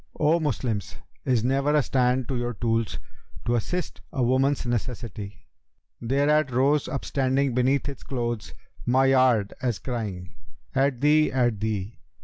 O Moslems, is never a stand to your tools, * To assist a woman's necessity?' Thereat rose upstanding beneath its clothes * My yard, as crying, 'At thee! at thee!'